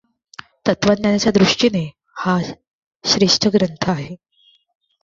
तत्त्वज्ञानाच्या दृष्टीने हा श्रेष्ठ ग्रंथ आहे.